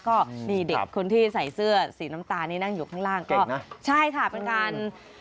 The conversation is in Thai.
ก็นี่เด็กคนที่ใส่เสื้อสีน้ำตาลนี่นั่งอยู่ข้างล่างก็ใช่ค่ะเป็นการ